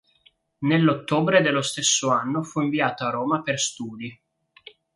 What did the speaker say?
Nell'ottobre dello stesso anno fu inviato a Roma per studi.